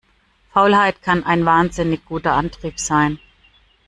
Faulheit kann ein wahnsinnig guter Antrieb sein.